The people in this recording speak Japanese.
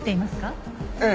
ええ。